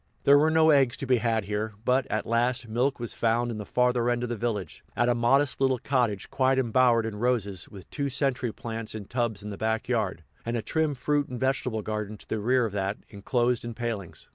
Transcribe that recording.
There were no eggs to be had here; but, at last, milk was found in the farther end of the village, at a modest little cottage quite embowered in roses, with two century plants in tubs in the back yard, and a trim fruit and vegetable garden to the rear of that, enclosed in palings.